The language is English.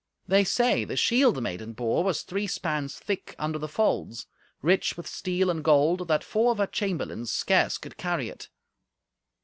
They say the shield the maiden bore was three spans thick under the folds, rich with steel and gold, that four of her chamberlains scarce could carry it.